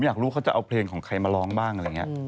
อยากรู้เขาจะเอาเพลงของใครมาร้องบ้างอะไรอย่างนี้